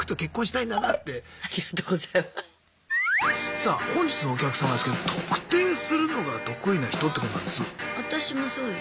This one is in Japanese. さあ本日のお客様ですけど「特定するのが得意な人」ってことなんです。